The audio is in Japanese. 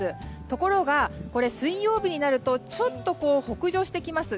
ところが水曜日になるとちょっと北上してきます。